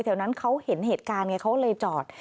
แถวนั้นเขาเห็นเหตุการณ์ไงเขาเลยจอด